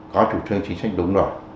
có chủ trương chính sách đúng rồi